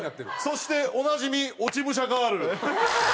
そしておなじみ落ち武者ガール。